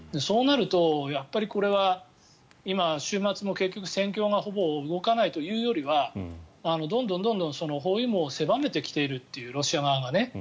そうなると、やっぱりこれは今、週末も結局戦況がほぼ動かないというよりはどんどん包囲網を狭めてきているというロシア側がね。